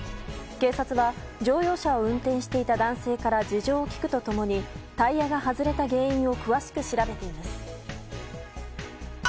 警察は、乗用車を運転していた男性から事情を聴くと共にタイヤが外れた原因を詳しく調べています。